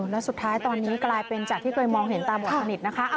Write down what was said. แล้วสุดท้ายตอนนี้กลายเป็นจากที่เคยมองเห็นตาหมดสนิทนะคะ